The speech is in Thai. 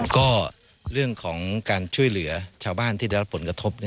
ก็เรื่องของการช่วยเหลือชาวบ้านที่ได้รับผลกระทบ